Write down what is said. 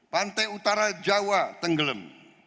pantai utara jawa tenggelam